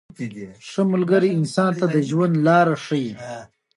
• ښه ملګری انسان ته د ژوند لاره ښیي.